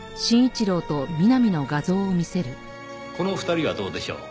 この２人はどうでしょう？